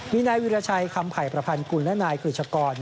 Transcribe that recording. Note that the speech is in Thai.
มีนายวิราชัยคำไผ่ประพันธ์กุลและนายกริจกร